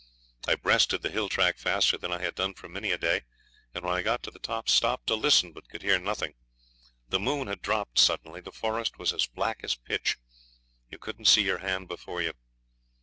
I breasted the hill track faster than I had done for many a day, and when I got to the top stopped to listen, but could hear nothing. The moon had dropped suddenly; the forest was as black as pitch. You couldn't see your hand before you.